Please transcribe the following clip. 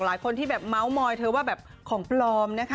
หลายคนที่แบบเมาส์มอยเธอว่าแบบของปลอมนะคะ